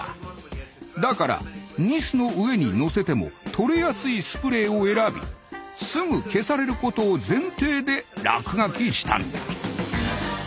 だからニスの上にのせても取れやすいスプレーを選びすぐ消されることを前提で落書きしたんだ。